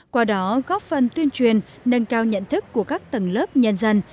qua đó góp phần tuyên truyền nâng cao nhận thức của các tầng lớp nhân dân